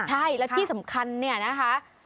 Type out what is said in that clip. ใช่แล้วที่สำคัญเนี่ยนะคะ